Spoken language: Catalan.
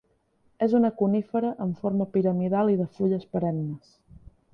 És una conífera amb forma piramidal i de fulles perennes.